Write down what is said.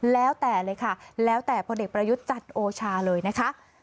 แล้วแต่เลยค่ะแล้วแต่พลเอกประยุทธ์จันทร์โอชาเลยนะคะ